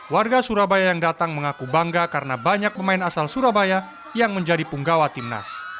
warga surabaya yang datang mengaku bangga karena banyak pemain asal surabaya yang menjadi punggawa timnas